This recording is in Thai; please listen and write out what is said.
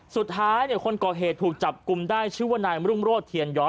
สุดท้ายคนก่อเหตุถูกจับกลุ่มได้ชื่อว่านายมรุ่งโรธเทียนย้อย